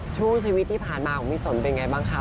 ช่วงชีวิตที่ผ่านมาของพี่สนเป็นไงบ้างคะ